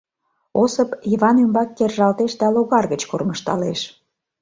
Осып Йыван ӱмбак кержалтеш да логар гыч кормыжталеш.